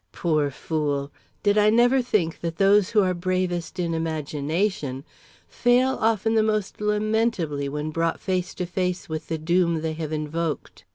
Poor fool! did I never think that those who are the bravest in imagination fail often the most lamentably when brought face to face with the doom they have invoked.